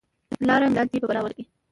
لار میله دې په بلا ولګي.